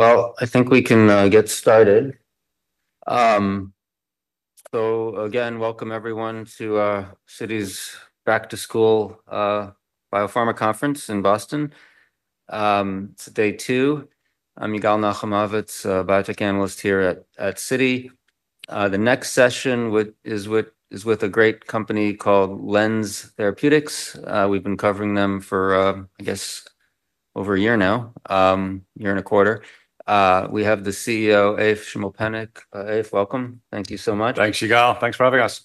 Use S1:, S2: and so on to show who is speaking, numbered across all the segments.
S1: I think we can get started. Again, welcome everyone to Citi's Back to School Biopharma Conference in Boston. It's day two. I'm Yigal Nahamovitz, a biotech analyst here at Citi. The next session is with a great company called LENZ Therapeutics. We've been covering them for, I guess, over a year now, a year and a quarter. We have the CEO, Evert Schimmelpennink. Welcome. Thank you so much.
S2: Thanks, Yigal. Thanks for having us.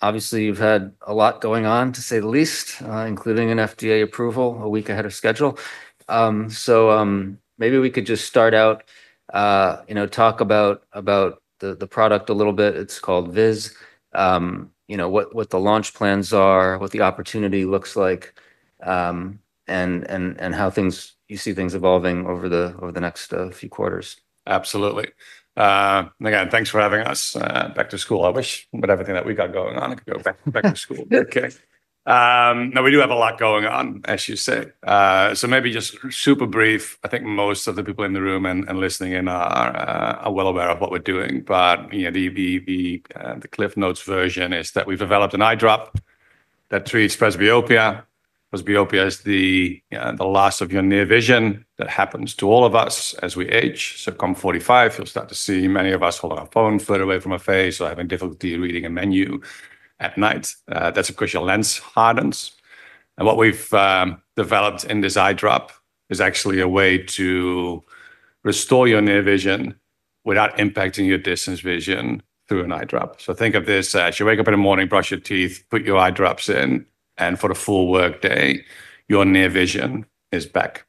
S1: Obviously, you've had a lot going on, to say the least, including an FDA approval a week ahead of schedule. Maybe we could just start out, you know, talk about the product a little bit. It's called Vizz. You know what the launch plans are, what the opportunity looks like, and how you see things evolving over the next few quarters.
S2: Absolutely. Again, thanks for having us. Back to school, I wish. With everything that we got going on, I could go back to school. Okay. We do have a lot going on, as you say. Maybe just super brief. I think most of the people in the room and listening in are well aware of what we're doing [inaudible] The Cliff Notes version is that we've developed an eye drop that treats presbyopia. Presbyopia is the loss of your near vision that happens to all of us as we age. Come 45, you'll start to see many of us holding our phone further away from our face or having difficulty reading a menu at night. That's, of course, your lens hardens. What we've developed in this eye drop is actually a way to restore your near vision without impacting your distance vision through an eye drop. Think of this: you wake up in the morning, brush your teeth, put your eye drops in, and for the full workday, your near vision is back.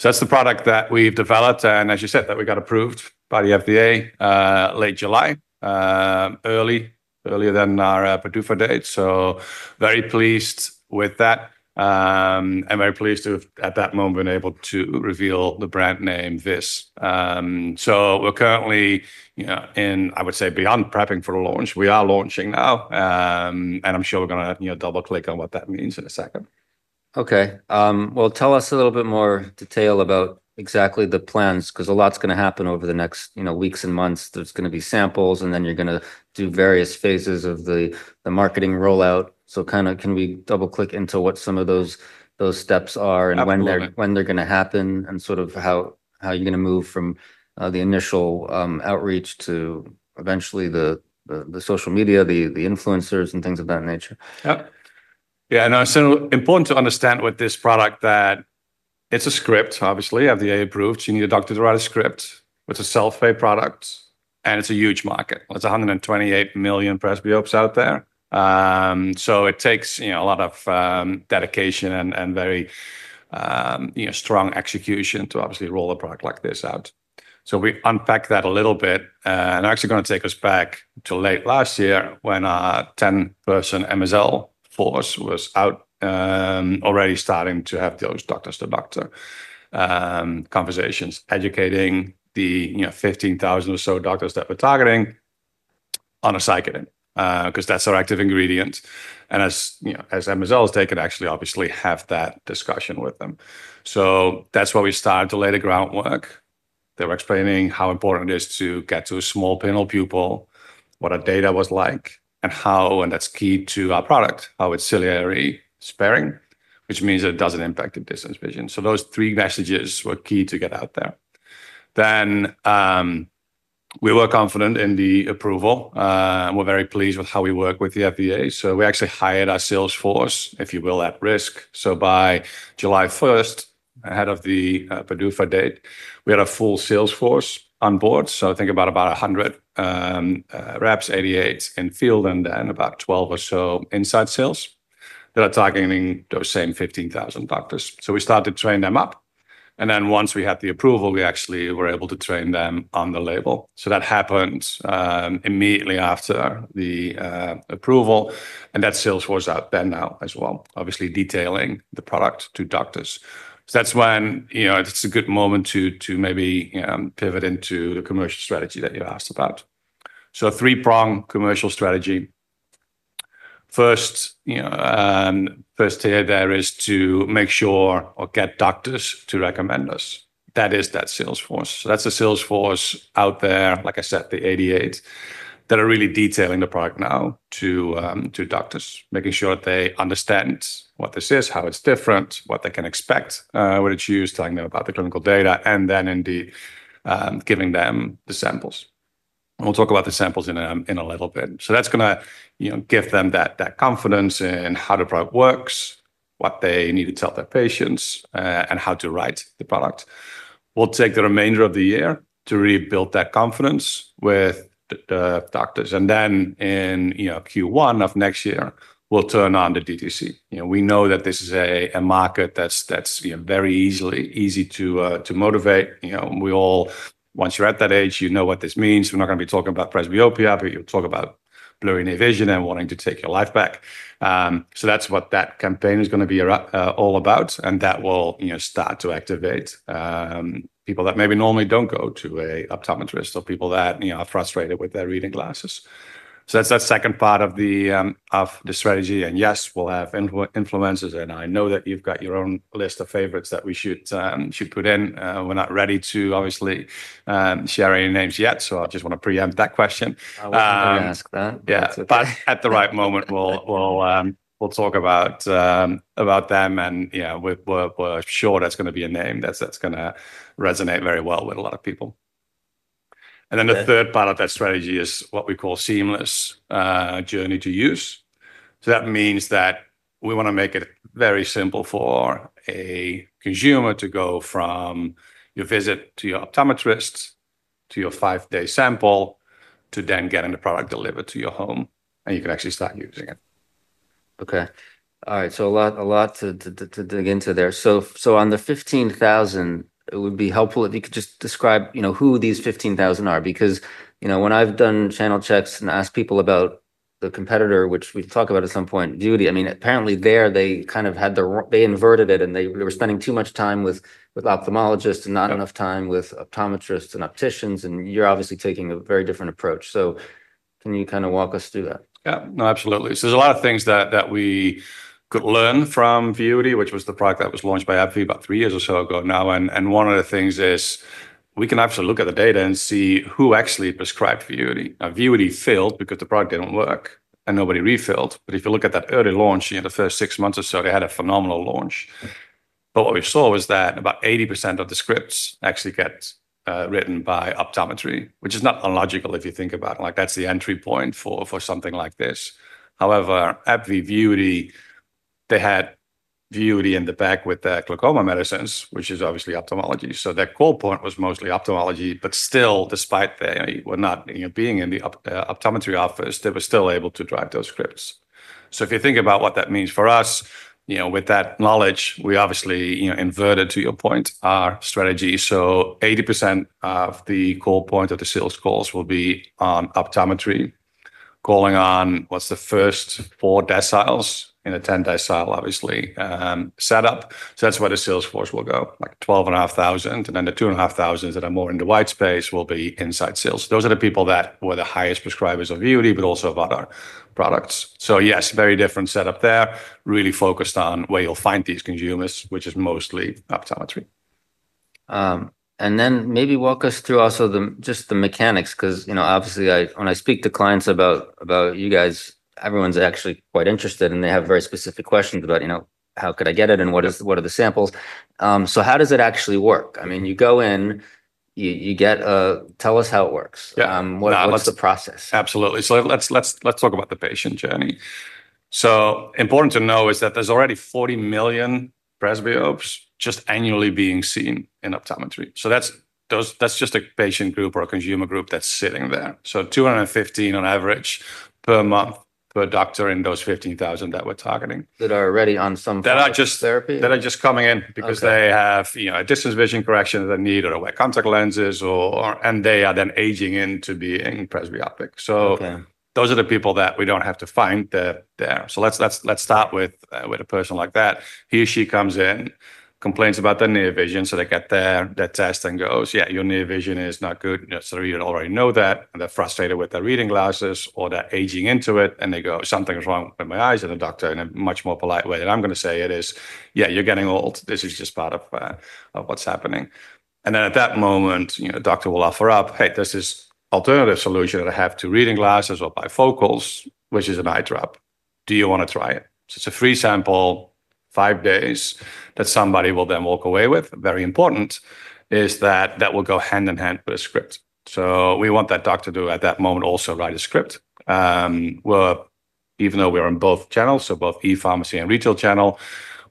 S2: That's the product that we've developed. As you said, that we got approved by the FDA late July, earlier than our PDUFA date. Very pleased with that. Very pleased to have, at that moment, been able to reveal the brand name Vizz. We're currently, you know, in, I would say, beyond prepping for the launch. We are launching now. I'm sure we're going to double click on what that means in a second.
S1: OK. Tell us a little bit more detail about exactly the plans. A lot is going to happen over the next weeks and months. There is going to be samples, and then you are going to do various phases of the marketing rollout. Can we double click into what some of those steps are and when they are going to happen and how you are going to move from the initial outreach to eventually the social media, the influencers, and things of that nature.
S2: Yeah. It's so important to understand that this product is a script, obviously, FDA-approve d. You need a doctor to write a script. It's a self-pay product. It's a huge market. There's 128 million presbyopes patients out there. It takes a lot of dedication and very strong execution to obviously roll a product like this out. We unpacked that a little bit. I'm actually going to take us back to late last year when our 10-person MSL force was out already starting to have those doctor-to-doctor conversations, educating the 15,000 or so doctors that we're targeting on a miotic agent, because that's our active ingredient. As MSLs, they could actually have that discussion with them. That's where we started to lay the groundwork. They were explaining how important it is to get to a small pinhole pupil, what our data was like, and how, and that's key to our product, how it's ciliary-sparing, which means that it doesn't impact the distance vision. Those three messages were key to get out there. We were confident in the approval. We're very pleased with how we work with the FDA. We actually hired our sales force, if you will, at risk. By July 1, ahead of the PDUFA date, we had a full sales force on board. Think about about 100 reps, 88 in field, and then about 12 or so inside sales that are targeting those same 15,000 doctors. We started to train them up. Once we had the approval, we actually were able to train them on the label. That happened immediately after the approval. That sales force is out there now as well, obviously detailing the product to doctors. It's a good moment to maybe pivot into the commercial strategy that you asked about. A three-pronged commercial strategy. First, you know, first tier there is to make sure or get doctors to recommend us. That is that sales force. That's the sales force out there, like I said, the 88 that are really detailing the product now to doctors, making sure that they understand what this is, how it's different, what they can expect, what it is used, telling them about the clinical data, and then indeed giving them the samples. We'll talk about the samples in a little bit. That's going to give them that confidence in how the product works, what they need to tell their patients, and how to write the product. We'll take the remainder of the year to rebuild that confidence with the doctors. In Q1 of next year, we'll turn on the DTC. We know that this is a market that's very easy to motivate. Once you're at that age, you know what this means. We're not going to be talking about presbyopia, but you'll talk about blurry near vision and wanting to take your life back. That campaign is going to be all about that. It will start to activate people that maybe normally don't go to an optometrist or people that are frustrated with their reading glasses. That is that second part of the strategy. Yes, we'll have influencers. I know that you've got your own list of favorites that we should put in. We're not ready to obviously share any names yet. I just want to preempt that question.
S1: I was going to ask that.
S2: Yeah, at the right moment, we'll talk about them. We're sure that's going to be a name that's going to resonate very well with a lot of people. The third part of that strategy is what we call seamless journey to use. That means we want to make it very simple for a consumer to go from your visit to your optometrist to your five-day sample to then getting the product delivered to your home, and you can actually start using it.
S1: All right. A lot to dig into there. On the 15,000, it would be helpful if you could just describe who these 15,000 are. When I've done channel checks and asked people about the competitor, which we can talk about at some point, Judy, apparently they kind of had the, they inverted it. They were spending too much time with ophthalmologists and not enough time with optometrists and opticians. You're obviously taking a very different approach. Can you walk us through that?
S2: Yeah, absolutely. There's a lot of things that we could learn from VUITY, which was the product that was launched by AbbVie about three years or so ago now. One of the things is we can actually look at the data and see who actually prescribed VUITY. VUITY failed because the product didn't work, and nobody refilled. If you look at that early launch, the first six months or so, they had a phenomenal launch. What we saw was that about 80% of the scripts actually got written by optometry, which is not unlogical if you think about it. That's the entry point for something like this. However, AbbVie VUITY, they had VUITY in the back with their glaucoma medicines, which is obviously ophthalmology. Their core point was mostly ophthalmology. Still, despite not being in the optometry office, they were still able to drive those scripts. If you think about what that means for us, with that knowledge, we obviously inverted, to your point, our strategy. 80% of the core point of the sales calls will be on optometry, calling on what's the D1- D4 in a 10-decile setup. That's where the sales force will go, like 12,500. The 2,500 that are more in the white space will be inside sales. Those are the people that were the highest prescribers of VUITY, but also of other products. Yes, very different setup there, really focused on where you'll find these consumers, which is mostly optometry.
S1: Maybe walk us through also just the mechanics. Because obviously, when I speak to clients about you guys, everyone's actually quite interested. They have very specific questions about how could I get it and what are the samples. How does it actually work? I mean, you go in, you get a, tell us how it works. What's the process?
S2: Absolutely. Let's talk about the patient journey. Important to know is that there's already 40 million presbyopes just annually being seen in optometry. That's just a patient group or a consumer group that's sitting there. 215 on average per month per doctor in those 15,000 that we're targeting.
S1: That are already on some.
S2: That are just.
S1: Therapy?
S2: That are just coming in because they have a distance vision correction that they need or wear contact lenses. They are then aging into being presbyopic. Those are the people that we don't have to find there. Let's start with a person like that. He or she comes in, complains about their near vision. They get there, they test, and goes, yeah, your near vision is not good. You already know that. They're frustrated with their reading glasses or they're aging into it. They go, something's wrong with my eyes. The doctor, in a much more polite way than I'm going to say, it is, yeah, you're getting old. This is just part of what's happening. At that moment, the doctor will offer up, hey, there's this alternative solution that I have to reading glasses or bifocals, which is an eye drop. Do you want to try it? It's a free sample, five days that somebody will then walk away with. Very important is that that will go hand in hand with a script. We want that doctor to, at that moment, also write a script. Even though we're in both channels, both e-pharmacy and retail channel,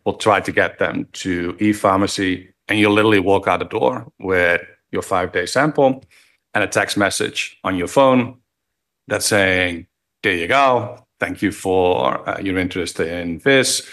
S2: we'll try to get them to e-pharmacy. You'll literally walk out the door with your five-day sample and a text message on your phone that's saying, there you go. Thank you for your interest in this.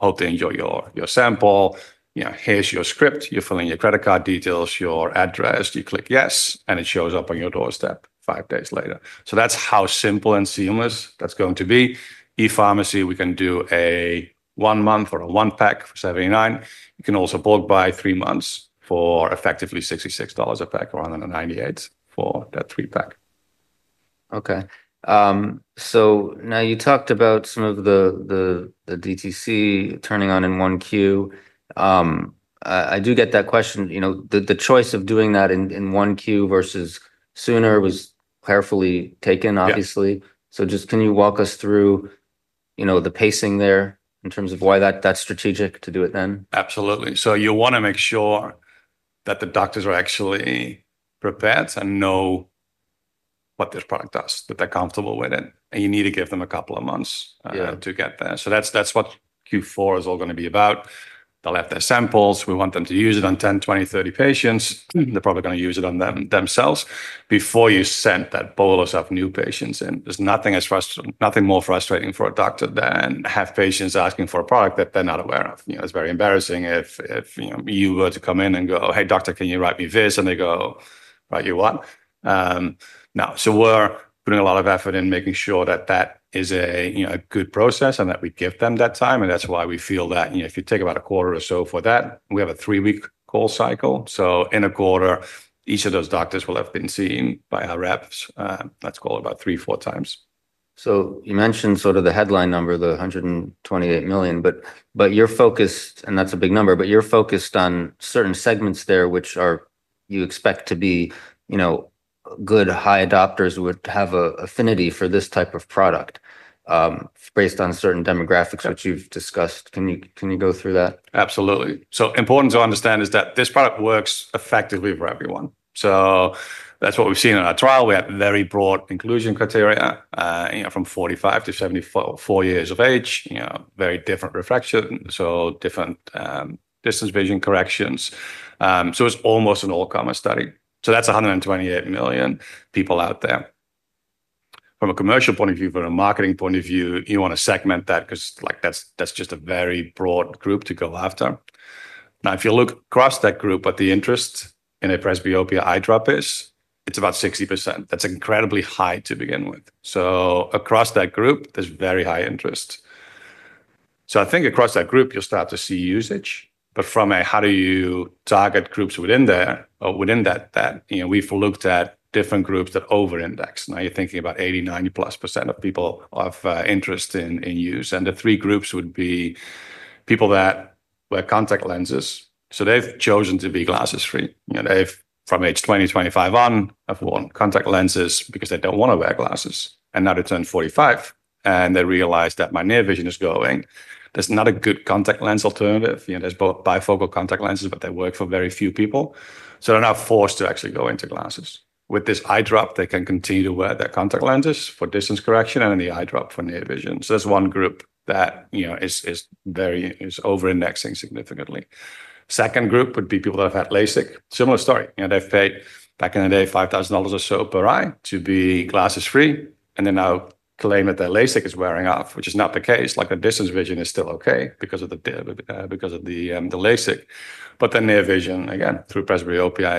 S2: Hope to enjoy your sample. Here's your script. You're filling your credit card details, your address. You click yes. It shows up on your doorstep five days later. That's how simple and seamless that's going to be. E-pharmacy, we can do a one-month or a one-pack for $79. You can also bulk buy three months for effectively $66 a pack or $198 for that three-pack.
S1: Okay. You talked about some of the DTC turning on in Q1. I do get that question. The choice of doing that in Q1 versus sooner was carefully taken, obviously. Can you walk us through the pacing there in terms of why that's strategic to do it then?
S2: Absolutely. You want to make sure that the doctors are actually prepared and know what this product does, that they're comfortable with it. You need to give them a couple of months to get there. That is what Q4 is all going to be about. They'll have their samples. We want them to use it on 10- 30 patients. They're probably going to use it on themselves before you send that bolus of new patients in. There is nothing more frustrating for a doctor than to have patients asking for a product that they're not aware of. It's very embarrassing if you were to come in and go, hey, doctor, can you write me this? They go, write you what? No. We are putting a lot of effort in making sure that is a good process and that we give them that time. That is why we feel that if you take about a quarter or so for that, we have a three-week call cycle. In a quarter, each of those doctors will have been seen by our reps, let's call it about three, four times.
S1: You mentioned sort of the headline number, the $128 million. That's a big number, but you're focused on certain segments there, which you expect to be good high adopters who would have an affinity for this type of product based on certain demographics, which you've discussed. Can you go through that?
S2: Absolutely. Important to understand is that this product works effectively for everyone. That's what we've seen in our trial. We had very broad inclusion criteria from 45- 74 years of age, very different refraction, so different distance vision corrections. It's almost an all-comers study. That's 128 million people out there. From a commercial point of view, from a marketing point of view, you want to segment that because that's just a very broad group to go after. Now, if you look across that group, what the interest in a presbyopia eye drop is, it's about 60%. That's incredibly high to begin with. Across that group, there's very high interest. I think across that group, you'll start to see usage. From a how do you target groups within that, we've looked at different groups that over-index. Now you're thinking about 80- 90+% of people of interest in use. The three groups would be people that wear contact lenses. They've chosen to be glasses-free. They've, from age 20- 25 on, worn contact lenses because they don't want to wear glasses. Now they turn 45, and they realize that my near vision is going. There's not a good contact lens alternative. There are bifocal contact lenses, but they work for very few people. They're now forced to actually go into glasses. With this eye drop, they can continue to wear their contact lenses for distance correction and the eye drop for near vision. That's one group that is over-indexing significantly. Second group would be people that have had LASIK. Similar story. They paid, back in the day, $5,000 or so per eye to be glasses-free. They now claim that their LASIK is wearing off, which is not the case. Distance vision is still okay because of the LASIK, but then near vision, again, through presbyopia,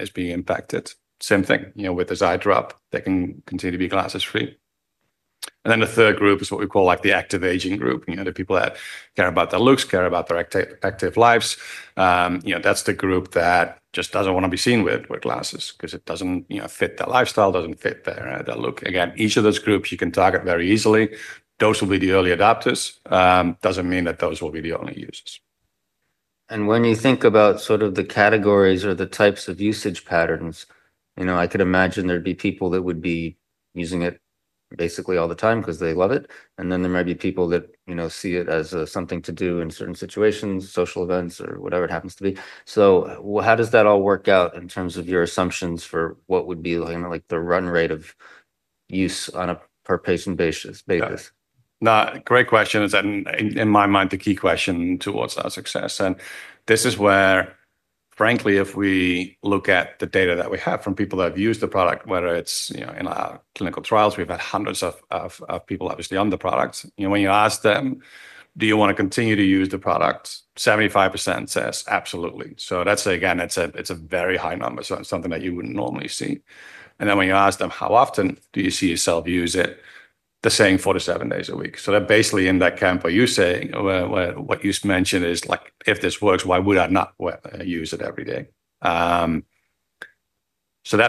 S2: is being impacted. Same thing with this eye drop. They can continue to be glasses-free. The third group is what we call the active aging group. The people that care about their looks, care about their active lives. That's the group that just doesn't want to be seen with glasses because it doesn't fit their lifestyle, doesn't fit their look. Again, each of those groups you can target very easily. Those will be the early adopters. Doesn't mean that those will be the only users.
S1: When you think about sort of the categories or the types of usage patterns, I could imagine there'd be people that would be using it basically all the time because they love it. There might be people that see it as something to do in certain situations, social events, or whatever it happens to be. How does that all work out in terms of your assumptions for what would be the run rate of use on a per-patient basis?
S2: Yeah. Great question. In my mind, the key question towards our success. This is where, frankly, if we look at the data that we have from people that have used the product, whether it's in our clinical trials, we've had hundreds of people obviously on the product. When you ask them, do you want to continue to use the product, 75% says absolutely. It's a very high number. It's something that you wouldn't normally see. When you ask them, how often do you see yourself use it, they're saying four to seven days a week. They're basically in that camp where you say, what you mentioned is like, if this works, why would I not use it every day? That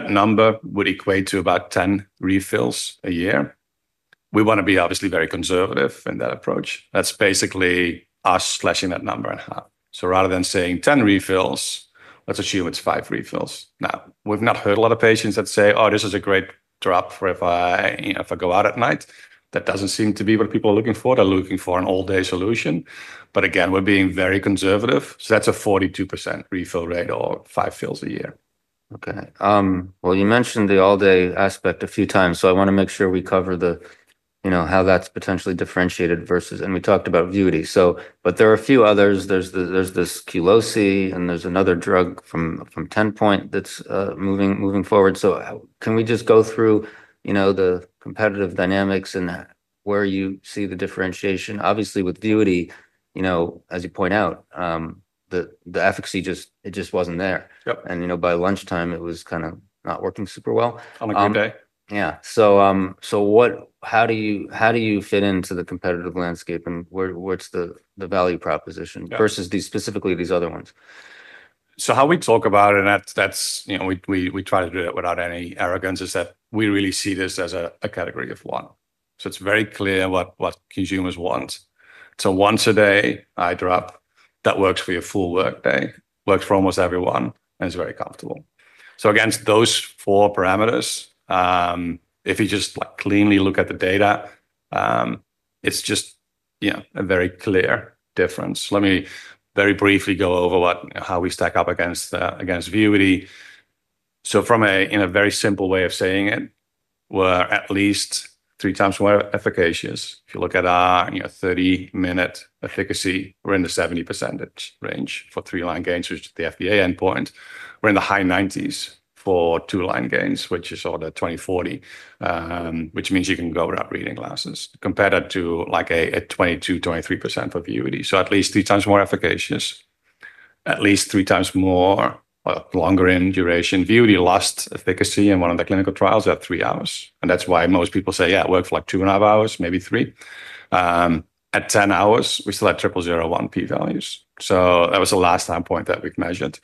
S2: number would equate to about 10 refills a year. We want to be obviously very conservative in that approach. That's basically us fleshing that number out. Rather than saying 10 refills, let's assume it's five refills. We've not heard a lot of patients that say, oh, this is a great drop if I go out at night. That doesn't seem to be what people are looking for. They're looking for an all-day solution. Again, we're being very conservative. That's a 42% refill rate or five fills a year.
S1: You mentioned the all-day aspect a few times. I want to make sure we cover how that's potentially differentiated versus, and we talked about VUITY. There are a few others. There's this Qlosi. There's another drug from TenPoint that's moving forward. Can we just go through the competitive dynamics and where you see the differentiation? Obviously, with VUITY, as you point out, the efficacy, it just wasn't there. By lunchtime, it was kind of not working super well.
S2: On a good day.
S1: Yeah. How do you fit into the competitive landscape, and what's the value proposition versus specifically these other ones?
S2: How we talk about it, and we try to do it without any arrogance, is that we really see this as a category of one. It is very clear what consumers want. Once-a-day eye drop that works for your full workday, works for almost everyone, and is very comfortable. Against those four parameters, if you just cleanly look at the data, it is just a very clear difference. Let me very briefly go over how we stack up against VUITY. In a very simple way of saying it, we are at least three times more efficacious. If you look at our 30-minute efficacy, we are in the 70% range for three-line gains, which is the FDA endpoint. We are in the high 90% for two-line gains, which is all the 20/40, which means you can go without reading glasses, compared to like a 22% or 23% for VUITY. At least three times more efficacious, at least three times longer in duration. VUITY lost efficacy in one of the clinical trials at three hours. That is why most people say, yeah, it works like two and half hours, maybe three. At 10 hours, we still had triple 0.01 p-values. That was the last time point that we have measured.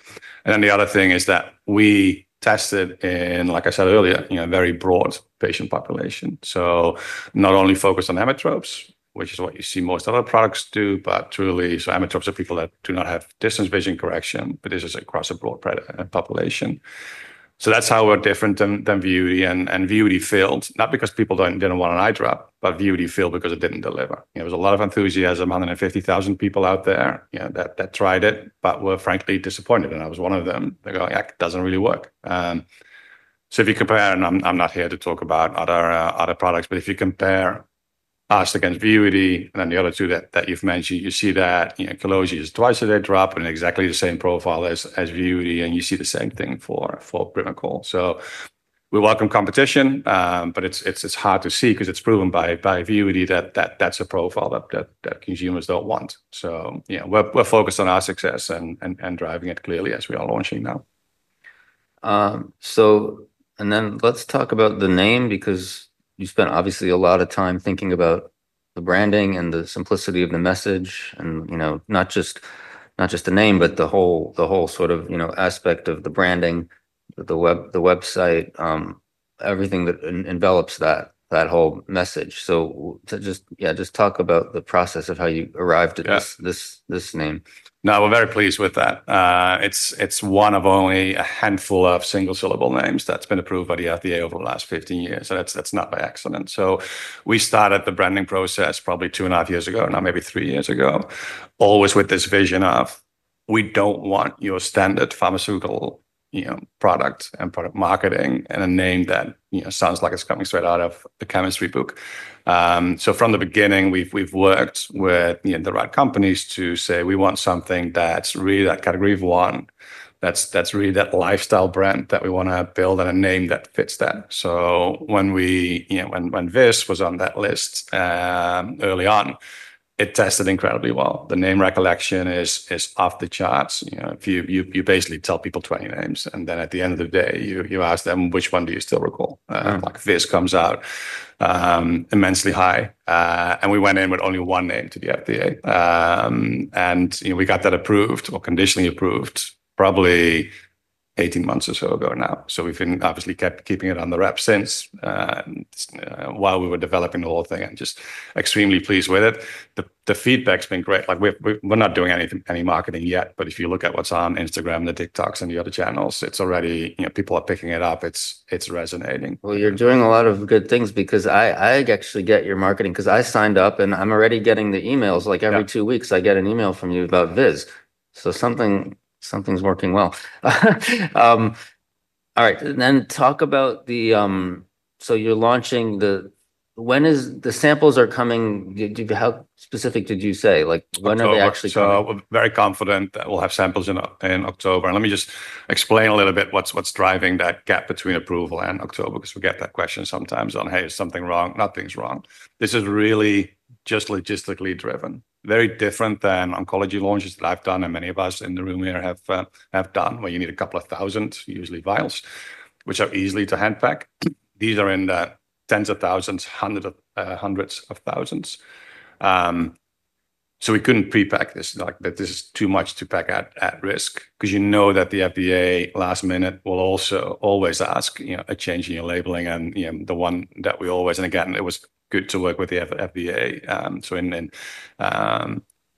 S2: The other thing is that we tested in, like I said earlier, a very broad patient population. Not only focused on emmetropes, which is what you see most other products do, but truly, so emmetropes are people that do not have distance vision correction. This is across a broad population. That is how we are different than VUITY. VUITY failed not because people did not want an eye drop, but VUITY failed because it did not deliver. There was a lot of enthusiasm, 150,000 people out there that tried it, but were frankly disappointed. I was one of them. They are going, it does not really work. If you compare, and I am not here to talk about other products, but if you compare us against VUITY and then the other two that you have mentioned, you see that Qulose is a twice-a-day drop and exactly the same profile as VUITY. You see the same thing for Primacol. We welcome competition. It is hard to see because it is proven by VUITY that that is a profile that consumers do not want. We are focused on our success and driving it clearly as we are launching now.
S1: Let's talk about the name. You spent obviously a lot of time thinking about the branding and the simplicity of the message, and not just the name, but the whole sort of aspect of the branding, the website, everything that envelops that whole message. Just talk about the process of how you arrived at this name.
S2: No, we're very pleased with that. It's one of only a handful of single-syllable names that's been approved by the FDA over the last 15 years. That's not by accident. We started the branding process probably two and half years ago, now maybe three years ago, always with this vision of we don't want your standard pharmaceutical product and product marketing and a name that sounds like it's coming straight out of a chemistry book. From the beginning, we've worked with the right companies to say we want something that's really that category of one, that's really that lifestyle brand that we want to build and a name that fits that. When Viz was on that list early on, it tested incredibly well. The name recollection is off the charts. You basically tell people 20 names, and then at the end of the day, you ask them which one do you still recall. Vizz comes out immensely high. We went in with only one name to the FDA, and we got that approved or conditionally approved probably 18 months or so ago now. We've obviously kept keeping it on the rep since while we were developing the whole thing. I'm just extremely pleased with it. The feedback's been great. We're not doing any marketing yet. If you look at what's on Instagram, the TikToks, and the other channels, it's already people are picking it up. It's resonating.
S1: You're doing a lot of good things. I actually get your marketing because I signed up, and I'm already getting the emails. Like every two weeks, I get an email from you about Vizz. Something's working well. All right. Talk about the, so you're launching the, when are the samples coming? How specific did you say? When are they actually coming?
S2: We're very confident that we'll have samples in October. Let me just explain a little bit what's driving that gap between approval and October, because we get that question sometimes on, hey, is something wrong? Nothing's wrong. This is really just logistically driven. Very different than oncology launches that I've done and many of us in the room here have done, where you need a couple of thousand, usually vials, which are easy to hand pack. These are in the tens of thousands, hundreds of thousands. We couldn't prepack this. This is too much to pack at risk, because you know that the FDA last minute will always ask a change in your labeling. The one that we always, and again, it was good to work with the FDA.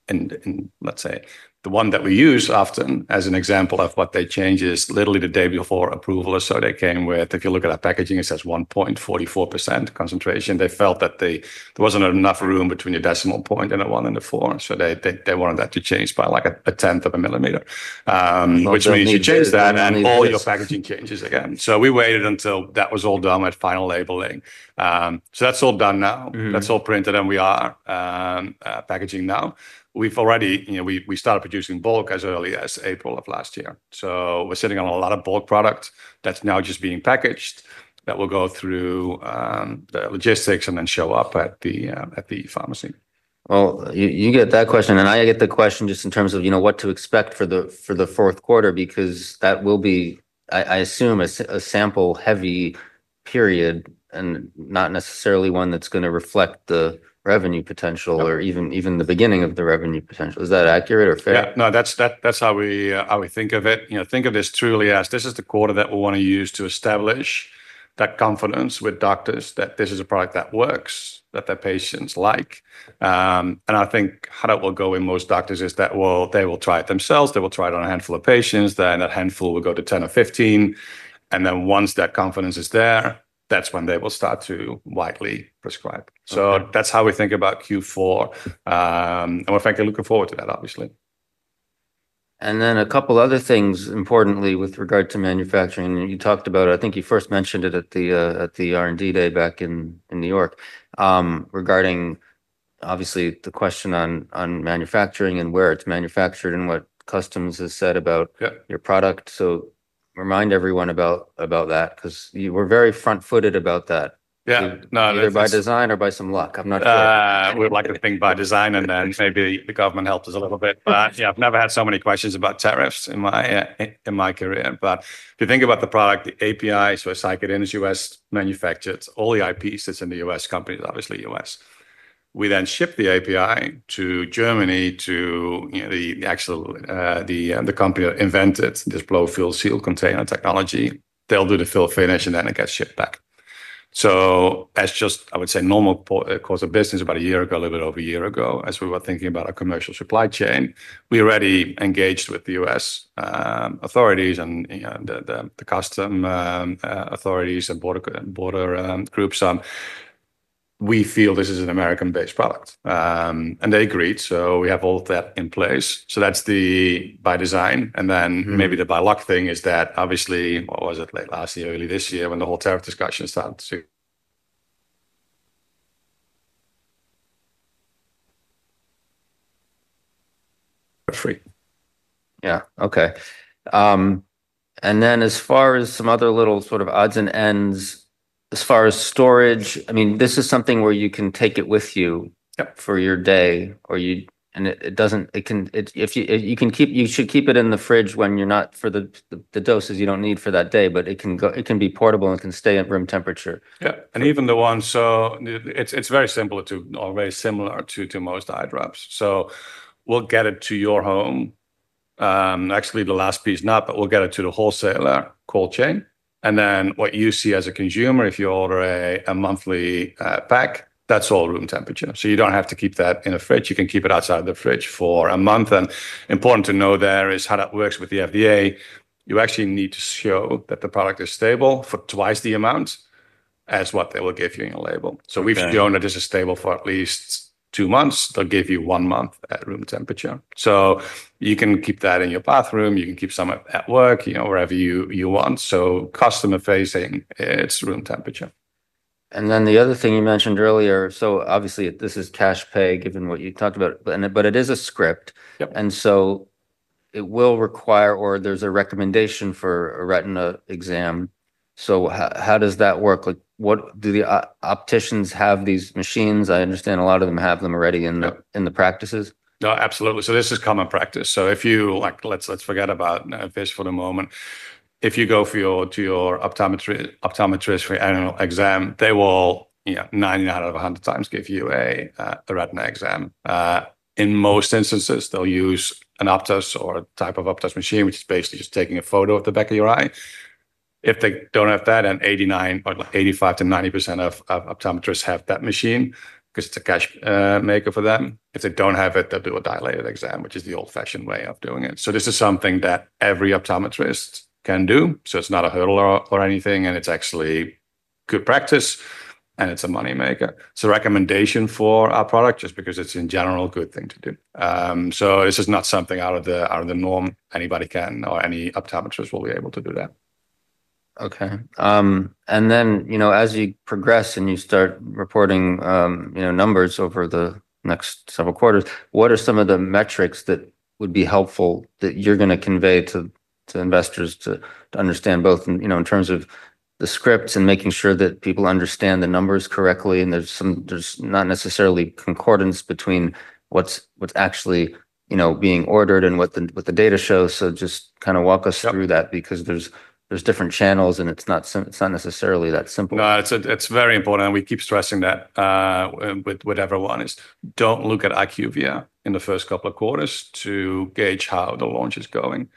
S2: In, let's say, the one that we use often as an example of what they changed is literally the day before approval. They came with, if you look at our packaging, it says 1.44% concentration. They felt that there wasn't enough room between the 0.1 and 0.4. They wanted that to change by like a tenth of a millimeter, which means you change that, and all your packaging changes again. We waited until that was all done with final labeling. That's all done now. That's all printed, and we are packaging now. We started producing bulk as early as April of last year, so we're sitting on a lot of bulk product that's now just being packaged that will go through the logistics and then show up at the pharmacy.
S1: You get that question. I get the question just in terms of what to expect for the fourth quarter. That will be, I assume, a sample-heavy period and not necessarily one that's going to reflect the revenue potential or even the beginning of the revenue potential. Is that accurate or fair?
S2: Yeah, no, that's how we think of it. Think of this truly as this is the quarter that we want to use to establish that confidence with doctors that this is a product that works, that their patients like. I think how that will go in most doctors is that they will try it themselves. They will try it on a handful of patients. That handful will go to 10 or 15. Once that confidence is there, that's when they will start to widely prescribe. That's how we think about Q4. We're frankly looking forward to that, obviously.
S1: A couple of other things, importantly, with regard to manufacturing. You talked about it. I think you first mentioned it at the R&D day back in New York regarding obviously the question on manufacturing and where it's manufactured and what customs has said about your product. Remind everyone about that because you were very front-footed about that.
S2: Yeah.
S1: Either by design or by some luck.
S2: We'd like to think by design, and then maybe the government helped us a little bit. I've never had so many questions about tariffs in my career. If you think about the product, the API, it's like an industry West manufactured. All the IP is in the U.S. companies, obviously U.S. We then ship the API to Germany to the actual company that invented this blow-fill sealed container technology. They'll do the fill-finish, and then it gets shipped back. As just, I would say, normal course of business about a year ago, a little bit over a year ago, as we were thinking about our commercial supply chain, we already engaged with the U.S. authorities and the customs authorities and border groups. We feel this is an American-based product, and they agreed. We have all of that in place. That's the by design. Maybe the by luck thing is that obviously, what was it, late last year, early this year, when the whole tariff discussion started to, we're free.
S1: OK. As far as some other little sort of odds and ends, as far as storage, this is something where you can take it with you for your day. You should keep it in the fridge for the doses you don't need for that day, but it can be portable and it can stay at room temperature.
S2: Yeah, even the one, it's very simple too, or very similar to most eye drops. We'll get it to your home. Actually, the last piece not, but we'll get it to the wholesaler cold chain. What you see as a consumer, if you order a monthly pack, that's all room temperature. You don't have to keep that in the fridge. You can keep it outside of the fridge for a month. Important to know there is how that works with the FDA. You actually need to show that the product is stable for twice the amount as what they will give you in your label. We've shown that this is stable for at least two months. They'll give you one month at room temperature. You can keep that in your bathroom. You can keep some at work, wherever you want. Customer-facing, it's room temperature.
S1: The other thing you mentioned earlier, this is cash pay, given what you talked about. It is a script, and it will require, or there's a recommendation for a retina exam. How does that work? Do the optometrists have these machines? I understand a lot of them have them already in the practices.
S2: No, absolutely. This is common practice. If you, let's forget about Viz for the moment. If you go to your optometrist for an annual exam, they will 99 out of 100 times give you a retina exam. In most instances, they'll use an Optos or a type of Optos machine, which is basically just taking a photo of the back of your eye. If they don't have that, then 85% to 90% of optometrists have that machine because it's a cash maker for them. If they don't have it, they'll do a dilated exam, which is the old-fashioned way of doing it. This is something that every optometrist can do. It's not a hurdle or anything. It's actually good practice and it's a moneymaker. It's a recommendation for our product just because it's in general a good thing to do. This is not something out of the norm. Anybody can or any optometrist will be able to do that.
S1: OK. As you progress and you start reporting numbers over the next several quarters, what are some of the metrics that would be helpful that you're going to convey to investors to understand both in terms of the scripts and making sure that people understand the numbers correctly? There's not necessarily concordance between what's actually being ordered and what the data shows. Just kind of walk us through that, because there's different channels. It's not necessarily that simple.
S2: No, it's very important. We keep stressing that with everyone. Don't look at IQVIA in the first couple of quarters to gauge how the launch is going.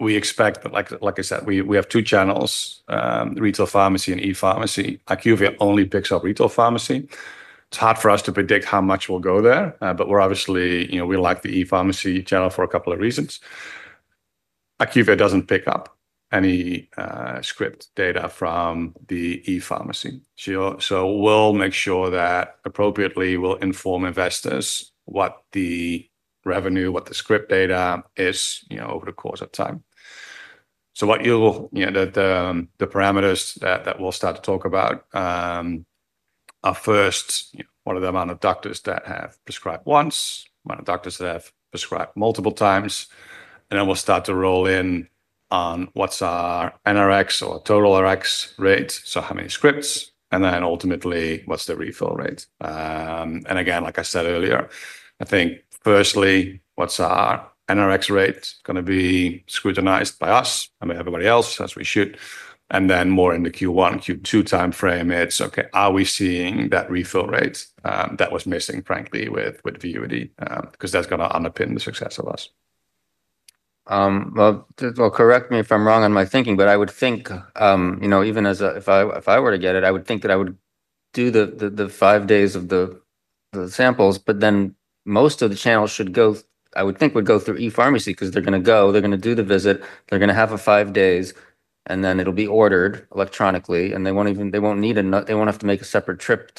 S2: We expect, like I said, we have two channels, retail pharmacy and e-pharmacy. IQVIA only picks up retail pharmacy. It's hard for us to predict how much will go there. We obviously, we like the e-pharmacy channel for a couple of reasons. IQVIA doesn't pick up any script data from the e-pharmacy. We'll make sure that appropriately, we'll inform investors what the revenue, what the script data is over the course of time. The parameters that we'll start to talk about are first, what are the amount of doctors that have prescribed once, the amount of doctors that have prescribed multiple times. We'll start to roll in on what's our NRx or total Rx rate, so how many scripts. Ultimately, what's the refill rate? Like I said earlier, I think firstly, what's our NRx rate going to be scrutinized by us and by everybody else, as we should. More in the Q1, Q2 time frame, it's OK, are we seeing that refill rate that was missing, frankly, with VUITY? That's going to underpin the success of us.
S1: I would think, even if I were to get it, I would think that I would do the five days of the samples. Most of the channels should go, I would think, would go through e-pharmacy. Because they're going to go. They're going to do the visit. They're going to have a five days. Then it'll be ordered electronically. They won't need a, they won't have to make a separate trip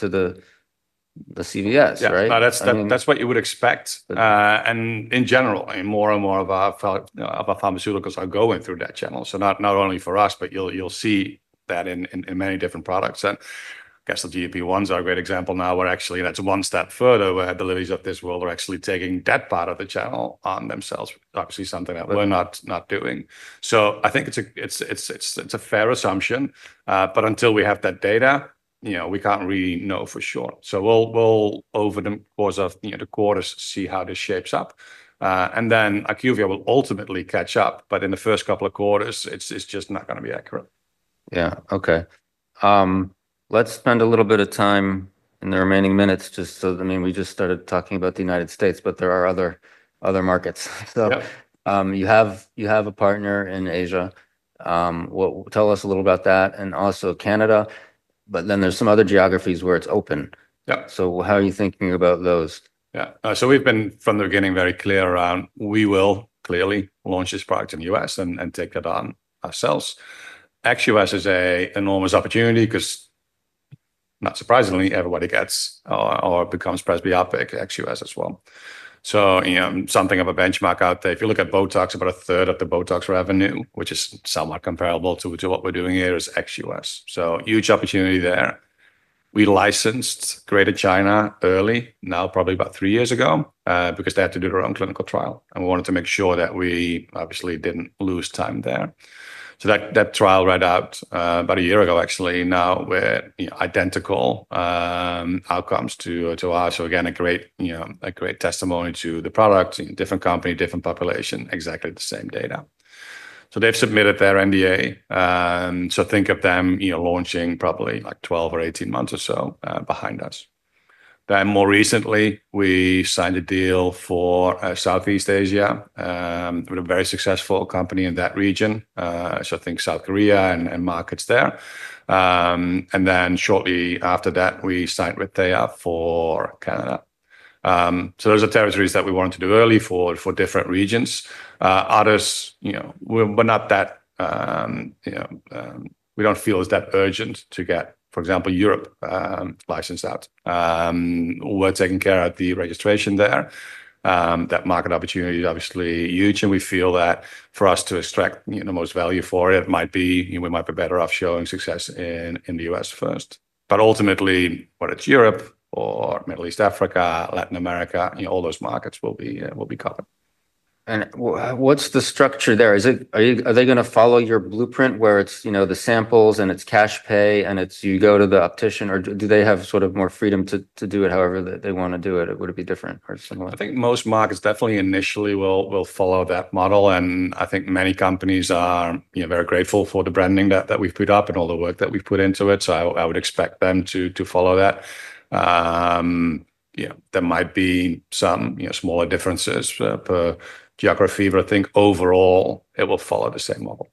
S1: to the CVS.
S2: That's what you would expect. In general, more and more of our pharmaceuticals are going through that channel. Not only for us, but you'll see that in many different products. I guess the GLP-1s are a great example now. Actually, that's one step further where AbbVie and others are actually taking that part of the channel on themselves, obviously something that we're not doing. I think it's a fair assumption, but until we have that data, we can't really know for sure. Over the course of the quarters, we'll see how this shapes up. IQVIA will ultimately catch up, but in the first couple of quarters, it's just not going to be accurate.
S1: Yeah. Let's spend a little bit of time in the remaining minutes just so that, I mean, we just started talking about the US. There are other markets. You have a partner in Asia. Tell us a little about that. Also Canada. There are some other geographies where it's open. How are you thinking about those?
S2: Yeah. We've been, from the beginning, very clear around we will clearly launch this product in the US and take it on ourselves. XUS is an enormous opportunity. Not surprisingly, everybody gets or becomes presbyopic XUS as well. Something of a benchmark out there, if you look at Botox, about a third of the Botox revenue, which is somewhat comparable to what we're doing here, is XUS. Huge opportunity there. We licensed Greater China early, now probably about three years ago, because they had to do their own clinical trial. We wanted to make sure that we obviously didn't lose time there. That trial read out about a year ago, actually. Identical outcomes to us. A great testimony to the product. Different company, different population, exactly the same data. They've submitted their NDA. Think of them launching probably like 12 or 18 months or so behind us. More recently, we signed a deal for Southeast Asia with a very successful company in that region. I think South Korea and markets there. Shortly after that, we signed with TAYA for Canada. Those are territories that we wanted to do early for different regions. Others, we don't feel it's that urgent to get, for example, Europe licensed out. We're taking care of the registration there. That market opportunity is obviously huge. We feel that for us to extract the most value for it, we might be better off showing success in the US first. Ultimately, whether it's Europe or Middle East, Africa, Latin America, all those markets will be covered.
S1: What is the structure there? Are they going to follow your blueprint where it's the samples and it's cash pay and you go to the optician? Do they have more freedom to do it however they want to do it? Would it be different or similar?
S2: I think most markets definitely initially will follow that model. I think many companies are very grateful for the branding that we've put up and all the work that we've put into it. I would expect them to follow that. There might be some smaller differences per geography, but I think overall, it will follow the same model.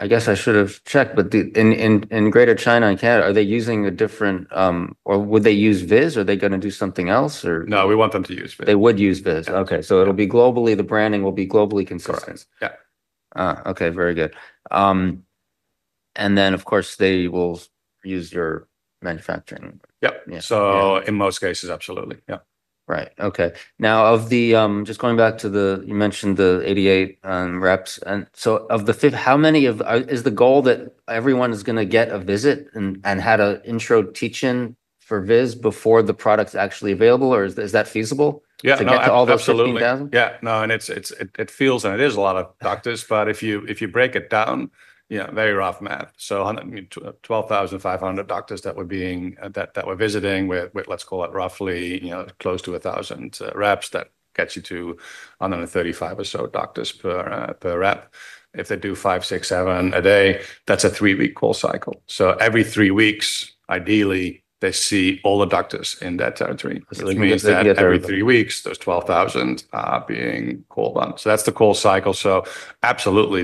S1: I guess I should have checked. In Greater China and Canada, are they using a different, or would they use Vizz? Are they going to do something else?
S2: No, we want them to use Vizz.
S1: They would use Vizz. OK. It will be globally, the branding will be globally consistent.
S2: Yeah.
S1: OK. Very good. Of course, they will use your manufacturing.
S2: Yeah, in most cases, absolutely. Yeah.
S1: Right. OK. Now, just going back to the, you mentioned the 88 reps. Of the fifth, how many is the goal that everyone is going to get a visit and had an intro teach-in for Vizz before the product's actually available? Is that feasible?
S2: Yeah.
S1: To get all those people down?
S2: Yeah, it feels, and it is a lot of doctors. If you break it down, very rough math, 12,500 doctors that we're visiting with, let's call it roughly close to 1,000 reps, that gets you to 135 or so doctors per rep. If they do five to seven a day, that's a three-week call cycle. Every three weeks, ideally, they see all the doctors in that territory.
S1: That means that every three weeks, those 12,000 are being called on.
S2: That's the call cycle. Absolutely,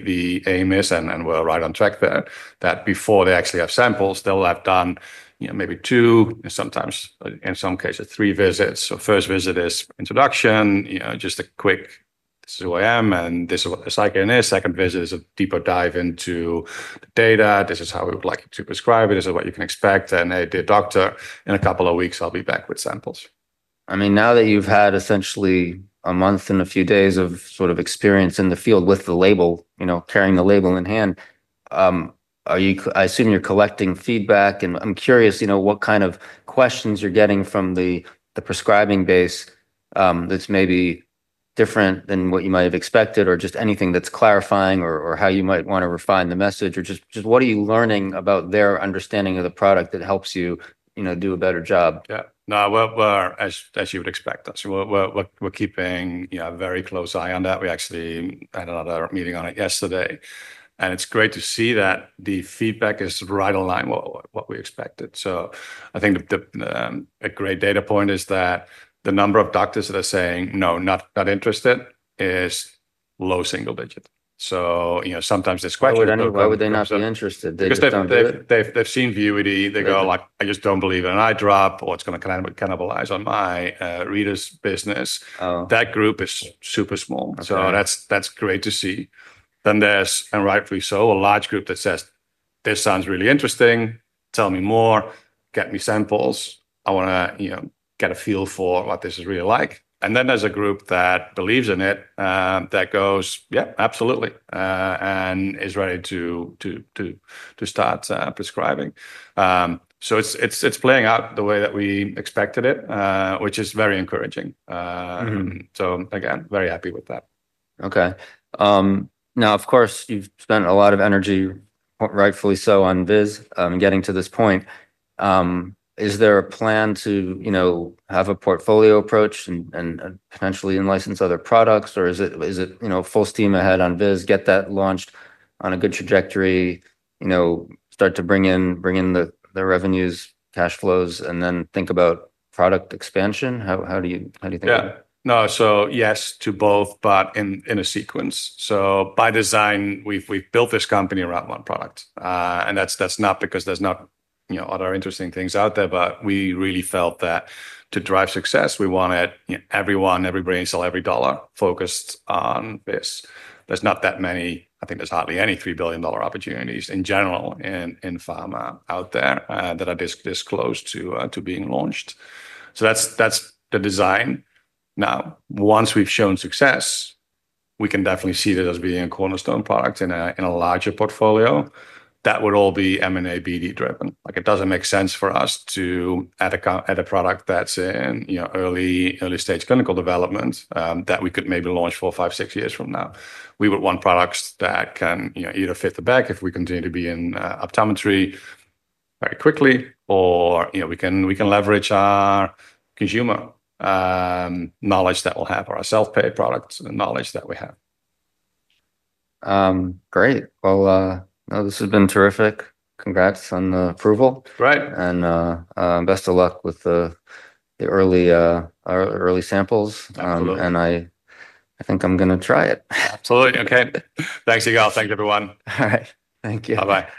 S2: the aim is, and we're right on track there, that before they actually have samples, they'll have done maybe two, sometimes in some cases, three visits. First visit is introduction, just a quick, this is who I am, and this is what the cycle is. Second visit is a deeper dive into the data. This is how we would like you to prescribe it. This is what you can expect. Hey, dear doctor, in a couple of weeks, I'll be back with samples.
S1: Now that you've had essentially a month and a few days of experience in the field with the label, carrying the label in hand, I assume you're collecting feedback. I'm curious what kind of questions you're getting from the prescribing base that's maybe different than what you might have expected or just anything that's clarifying or how you might want to refine the message. What are you learning about their understanding of the product that helps you do a better job?
S2: Yeah. No, as you would expect us, we're keeping a very close eye on that. We actually had another meeting on it yesterday. It's great to see that the feedback is right in line with what we expected. I think a great data point is that the number of doctors that are saying, no, not interested is low single digit. Sometimes this question.
S1: Why would they not be interested?
S2: Because they've seen VUITY. They go like, I just don't believe in eye drops. Or it's going to cannibalize on my readers business. That group is super small, which is great to see. There is, and rightfully so, a large group that says, this sounds really interesting. Tell me more. Get me samples. I want to get a feel for what this is really like. There is a group that believes in it that goes, yeah, absolutely, and is ready to start prescribing. It's playing out the way that we expected it, which is very encouraging. Again, very happy with that.
S1: OK. Now, of course, you've spent a lot of energy, rightfully so, on Vizz getting to this point. Is there a plan to have a portfolio approach and potentially license other products? Is it full steam ahead on Vizz, get that launched on a good trajectory, start to bring in the revenues, cash flows, and then think about product expansion? How do you think?
S2: Yeah. Y es to both, but in a sequence. By design, we've built this company around one product. That's not because there's not other interesting things out there. We really felt that to drive success, we wanted everyone, every brain cell, every dollar focused on this. There's not that many, I think there's hardly any $3 billion opportunities in general in pharma out there that are this close to being launched. That's the design. Now, once we've shown success, we can definitely see that as being a cornerstone product in a larger portfolio. That would all be M&A, BD-driven. It doesn't make sense for us to add a product that's in early-stage clinical development that we could maybe launch four to six years from now. We would want products that can either fit the bag if we continue to be in optometry very quickly, or we can leverage our consumer knowledge that we'll have or our self-pay product knowledge that we have.
S1: Great. This has been terrific. Congrats on the approval.
S2: Right.
S1: Best of luck with the early samples. I think I'm going to try it.
S2: Absolutely. Okay. Thanks, Yigal. Thanks, everyone.
S1: All right. Thank you.
S2: Bye-bye.